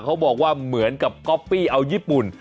เขาบอกว่าเหมือนกับก๊อปปี้เอาญี่ปุ่น